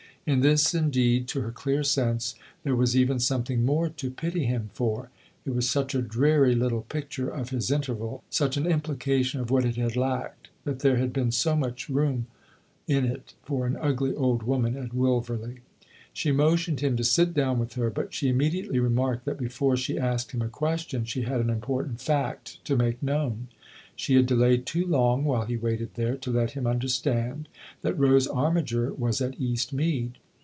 In this indeed, to her clear sense, there was even something more to pity him for : it was such a dreary little picture of his interval, such an implication of what it had lacked, that there had been so much room in it for an ugly old woman at Wilverley. She motioned him to sit down with her, but she immediately re marked that before she asked him a question she had an important fact to make known. She had delayed too long, while he waited there, to let him understand that Rose Armiger was at Eastmead.